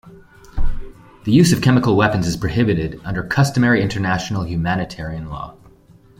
The use of chemical weapons is prohibited under customary international humanitarian law.